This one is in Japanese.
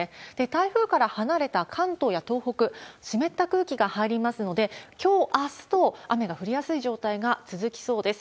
台風から離れた関東や東北、湿った空気が入りますので、きょう、あすと雨が降りやすい状態が続きそうです。